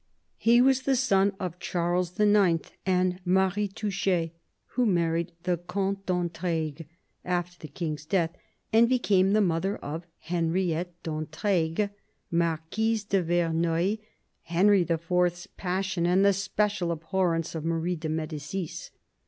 He was the son of Charles IX. and Marie Touchet, who married the Comte d'Entraigues after the King's death, and became the mother of Henriette d'Entraigues, Marquise de Verneuil, Henry IV.'s passion and the special abhorrence of Marie de M^dicis.